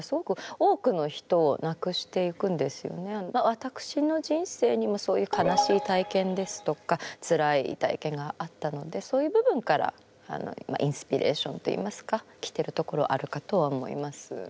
私の人生にもそういう悲しい体験ですとかつらい体験があったのでそういう部分からインスピレーションといいますか来てるところはあるかとは思います。